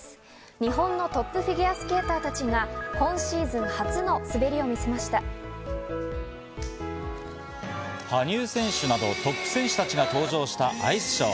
日本のトップフィギュアスケーターたちが今シーズン初の滑りを見羽生選手などトップ選手たちが登場したアイスショー。